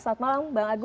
selamat malam bang agus